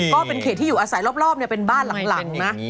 ก็เป็นเขตที่อยู่อาศัยรอบเป็นบ้านหลังนะ